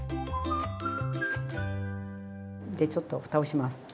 でちょっとふたをします。